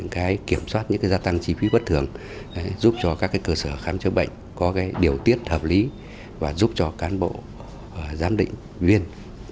cái kiểm soát những cái gia tăng chi phí bất thường giúp cho các cơ sở khám chữa bệnh có điều tiết hợp lý và giúp cho cán bộ giám định viên